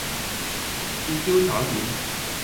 豉椒炒蜆